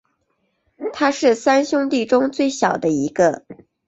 他是三兄弟中最小的一个。